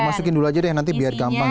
masukin dulu aja deh nanti biar gampang